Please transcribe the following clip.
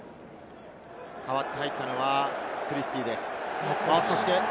代わって入ったのはクリスティーです。